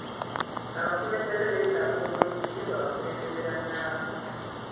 Abakulembeze beetaaga okuwa ekitiibwa bakulembeze bannaabwe.